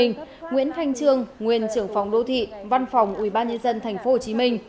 nguyễn thanh trương nguyên trưởng phòng đô thị văn phòng ubnd tp hcm